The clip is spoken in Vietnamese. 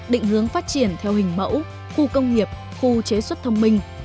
định hướng phát triển theo hình mẫu khu công nghiệp khu chế xuất thông minh